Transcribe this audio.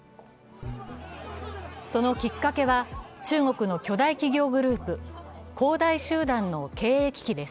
そのきっかけは、中国の巨大企業グループ、恒大集団の経営危機です。